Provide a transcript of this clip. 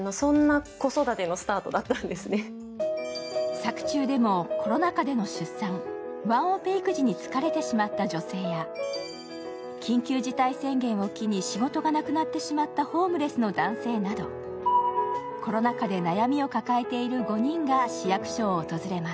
作中でもコロナ禍での出産、ワンオペ育児に疲れてしまった女性や、緊急事態宣言を機に仕事がなくなってしまったホームレスの男性などコロナ禍で悩みを抱えている５人が市役所を訪れます。